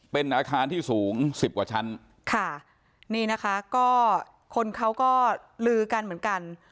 เป็นอาคารที่สูงสิบกว่าชั้นค่ะนี่นะคะก็คนเขาก็ลือกันเหมือนกัน